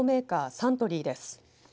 サントリーです。